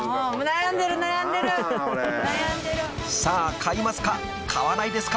［さあ買いますか？